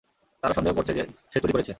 তারা সন্দেহ করছে যে সে চুরি করেছে।